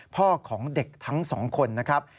พ่อของเด็กทั้งสองคนนะครับ